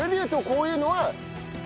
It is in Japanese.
こういうのは。